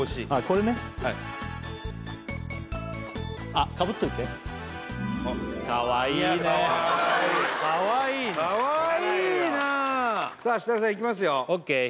これねはいいやかわいいかわいいねかわいいなさあ設楽さんいきますよＯＫ